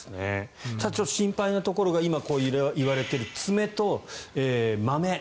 ちょっと心配なところが今言われている爪とまめ。